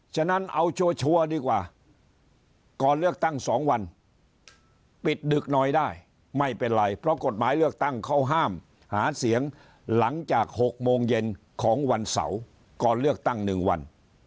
ฉะนั้นเอาชัวร์ดีกว่าก่อนเลือกตั้ง๒วันปิดดึกหน่อยได้ไม่เป็นไรเพราะกฎหมายเลือกตั้งเขาห้ามหาเสียงหลังจาก๖โมงเย็นของวันเสาร์ก่อนเลือกตั้ง๑วัน